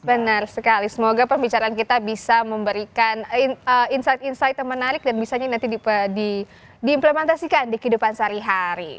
benar sekali semoga pembicaraan kita bisa memberikan insight insight yang menarik dan bisanya nanti diimplementasikan di kehidupan sehari hari